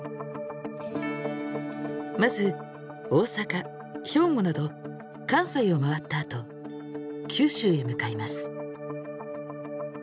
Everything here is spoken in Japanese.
まず大阪兵庫など関西を回ったあと九州へ向かいます。